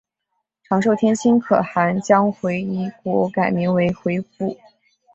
长寿天亲可汗将回纥国名改为回鹘。